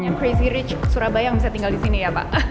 yang crazy rich surabaya yang bisa tinggal di sini ya pak